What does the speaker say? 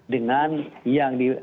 dengan yang di